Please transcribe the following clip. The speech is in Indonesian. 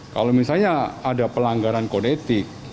kalau misalnya ada pelanggaran kode etik